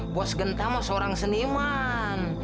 bos genta mah seorang seniman